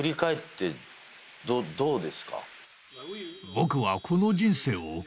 僕は。